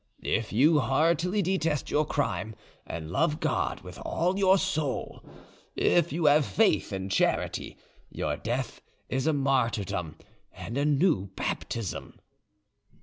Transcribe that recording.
If you heartily detest your crime and love God with all your soul, if you have faith and charity, your death is a martyrdom and a new baptism."